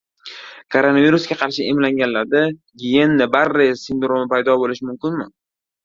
Koronavirusga qarshi emlanganlarda Giyena-Barre sindromi paydo bo‘lishi mumkinmi?